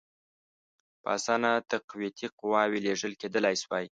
په اسانه تقویتي قواوي لېږل کېدلای سوای.